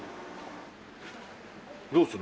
どうする？